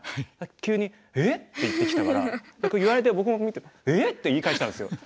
急に「えっ？」って言ってきたから僕言われて僕も見て「えっ？」って言い返したんですよ。